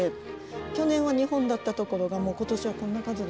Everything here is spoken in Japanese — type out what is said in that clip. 去年は２本だったところが今年はこんな数になって。